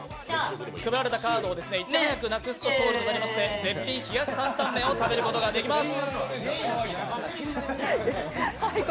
配られたカードをいち早くなくすと勝利となりまして絶品冷やし坦々麺を食べることができます。